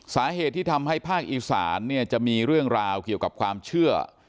สาเหตุที่ทำให้ภาคอีสานเนี่ยจะมีเรื่องราวเกี่ยวกับความเชื่อ